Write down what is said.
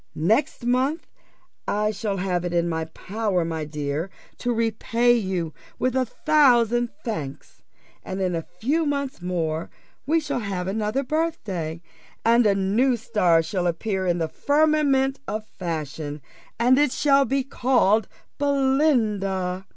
Next month I shall have it in my power, my dear, to repay you with a thousand thanks; and in a few months more we shall have another birthday, and a new star shall appear in the firmament of fashion, and it shall be called Belinda.